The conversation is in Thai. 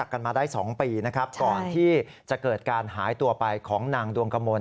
กันมาได้๒ปีนะครับก่อนที่จะเกิดการหายตัวไปของนางดวงกมล